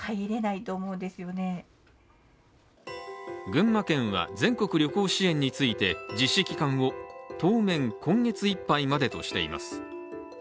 群馬県は全国旅行支援について、実施期間を当面、今月いっぱいまでとしています。